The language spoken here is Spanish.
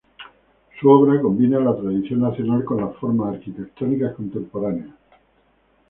Su obra combina la tradición nacional con las formas arquitectónicas contemporáneas.